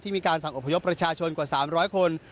มีการสั่งอพยพประชาชนกว่า๓๐๐คน